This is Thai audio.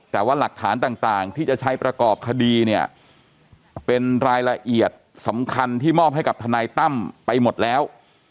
แต่ว่าหลักฐานต่างที่จะใช้ประกอบคดีเนี่ยเป็นรายละเอียดสำคัญที่มอบให้กับทนายตั้มไปหมดแล้ว